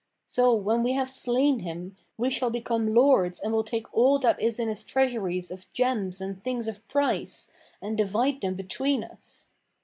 So, when we have slain him, we shall become lords and will take all that is in his treasuries of gems and things of price and divide them between us.